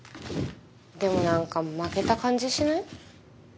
でもなんか負けた感じしない？